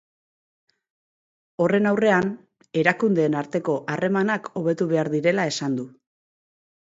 Horren aurrean, erakundeen arteko harremanak hobetu behar direla esan du.